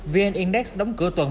vn index đóng cửa tuần bốn